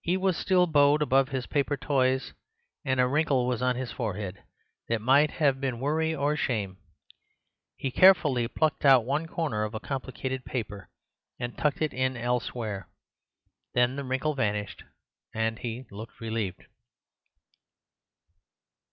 He was still bowed above his paper toys, and a wrinkle was on his forehead that might have been worry or shame. He carefully plucked out one corner of a complicated paper and tucked it in elsewhere; then the wrinkle vanished and he looked relieved.